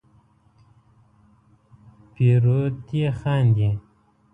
پیروتې خاندې